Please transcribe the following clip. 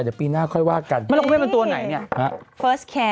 เดี๋ยวปีหน้าค่อยว่ากันไม่รู้เป็นตัวไหนเนี่ยฮะ